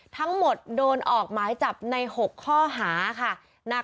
ทั้งหมดโดนออกหมายจับใน๖ข้อหาค่ะ